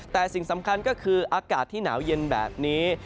แต่สิ่งสำคัญก็คืออากาศที่หนาวเย็นแบบนี้